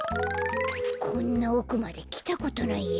こんなおくまできたことないや。